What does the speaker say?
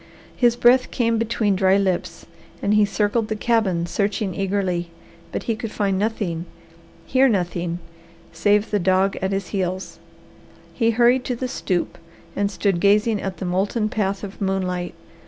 His breath came between dry lips, and he circled the cabin searching eagerly, but he could find nothing, hear nothing, save the dog at his heels. He hurried to the stoop and stood gazing at the molten path of moonlight.